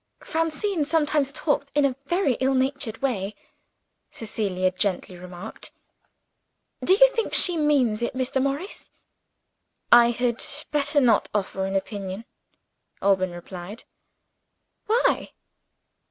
"Francine sometimes talks in a very ill natured way," Cecilia gently remarked. "Do you think she means it, Mr. Morris?' "I had better not offer an opinion," Alban replied. "Why?"